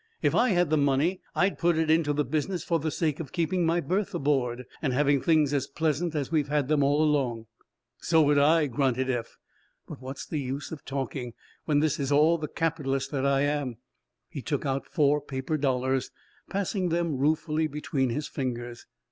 "If I had the money, I'd put it into the business for the sake of keeping my berth aboard, and having things as pleasant as we've had 'em all along." "So would I," grunted Eph. "But what's the use of talking, when this is all the capitalist that I am?" He took out four paper dollars, passing them ruefully between his fingers.